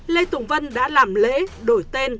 lê tùng vân đã làm lễ đổi tên